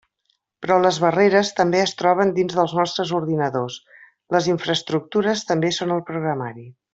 Però les barreres també es troben dins dels nostres ordinadors, les infraestructures també són el programari.